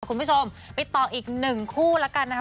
คุณผู้ชมไปต่ออีก๑คู่ละกันนะคะ